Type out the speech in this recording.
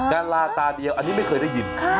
ดาราตาเดียวอันนี้ไม่เคยได้ยิน